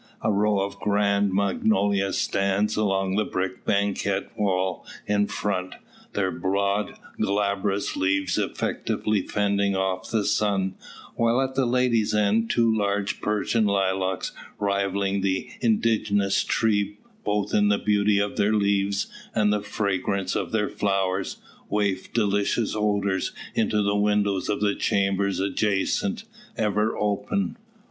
A row of grand magnolias stands along the brick banquette in front, their broad glabrous leaves effectually fending off the sun; while at the ladies' end two large Persian lilacs, rivalling the indigenous tree both in the beauty of their leaves and the fragrance of their flowers, waft delicious odours into the windows of the chambers adjacent, ever open.